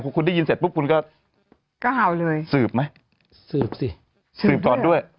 คุณได้ยินเสร็จปุ๊บคุณก็เห่าเลยสืบไหมสืบสิสืบก่อนด้วย